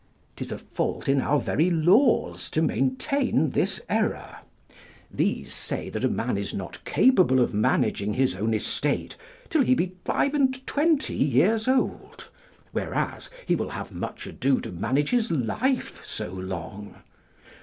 'Tis a fault in our very laws to maintain this error: these say that a man is not capable of managing his own estate till he be five and twenty years old, whereas he will have much ado to manage his life so long.